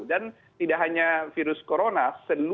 dan tidak hanya virus corona virus corona itu selalu